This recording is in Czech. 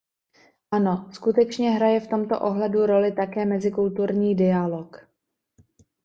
Ano, skutečně hraje v tomto ohledu roli také mezikulturní dialog.